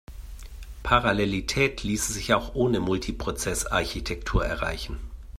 Parallelität ließe sich auch ohne Multiprozess-Architektur erreichen.